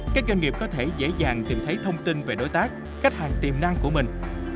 các doanh nghiệp có thể dễ dàng tìm thấy thông tin về đối tác khách hàng tiềm năng của mình